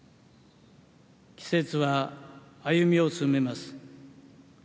季節は歩みを進めます。